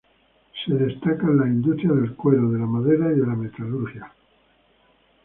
Se destacan las industrias del cuero, de la madera y metalúrgicas.